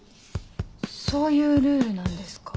そういうルールなんですか？